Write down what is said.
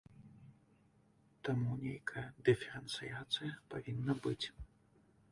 Таму, нейкая дыферэнцыяцыя павінна быць.